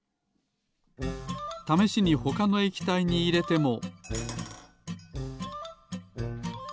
ためしにほかの液体にいれても。